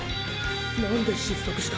何で失速した？